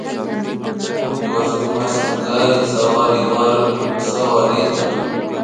kullpi wasipi maskan kari sawarik warmi sawarikta